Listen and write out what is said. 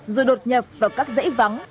rồi đột nhập vào các dãy vắng